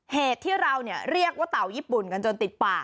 เหตุที่เราเรียกว่าเต่าญี่ปุ่นกันจนติดปาก